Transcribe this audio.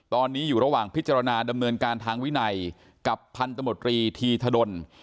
ตอนนี้อยู่ระหว่างพิจารณาดำเนินการทางวินัยกับพันธมตรีธีธดล